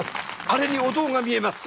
あれにお堂が見えます。